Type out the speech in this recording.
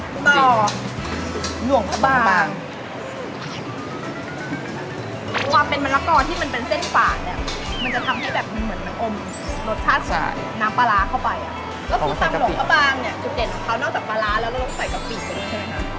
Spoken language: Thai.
แล้วพรูปังหลวงกะบางกรุ่งเด็ดข้าวนอกจากปลาร้าแล้วเราเอากับกับกระปิเป็นมั้ยคะ